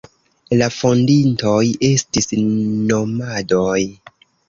La fondintoj estis nomadoj.